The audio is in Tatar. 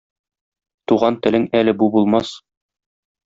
Туган телең әле бу булмас.